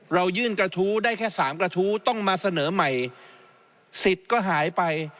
เรายื่นกระทู้ได้แค่สามกระทู้ต้องมาเสนอใหม่สิทธิ์ก็หายไป